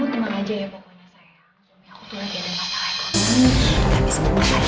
terima kasih pak